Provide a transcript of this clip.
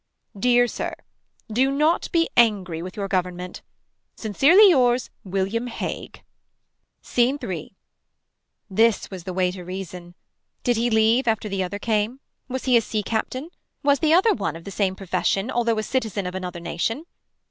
Dear Sir. Do not be angry with your government. Sincerely yours. William Hague. SCENE 3. This was the way to reason. Did he leave after the other came. Was he a sea captain. Was the other one of the same profession although a citizen of another nation.